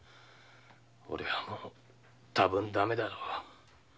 俺はもう多分駄目だろう。